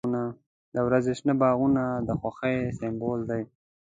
• د ورځې شنه باغونه د خوښۍ سمبول دی.